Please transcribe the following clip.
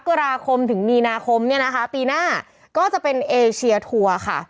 กราคมถึงมีนาคมเนี่ยนะคะปีหน้าก็จะเป็นเอเชียทัวร์ค่ะ